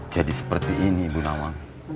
jadi seperti ini bu nawang